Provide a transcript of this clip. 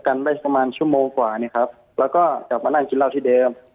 กันได้ประมาณชั่วโมงกว่าเนี่ยครับแล้วก็กลับมานั่งกินเหล้าที่เดิม